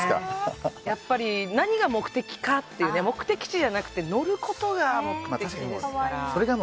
やっぱり何が目的かって目的地じゃなくて乗ることが目的ですから。